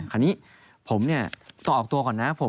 คราวนี้ผมต่อออกตัวก่อนนะ